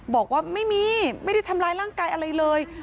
บอกว่าไม่มีไม่ได้ทำร้ายร่างกายอะไรเลย